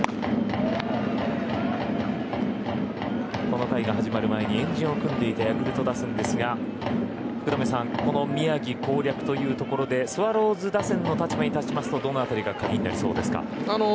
この回が始まる前に円陣を組んでいたヤクルト打線ですが福留さんこの宮城攻略というところでスワローズ打線の立場に立つとどのあたりが鍵なりそうですか。